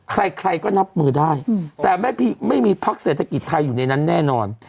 ใครใครก็นับมือได้แต่ไม่มีพักเศรษฐกิจไทยอยู่ในนั้นแน่นอน